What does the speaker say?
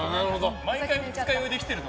毎回、二日酔いで来てるの？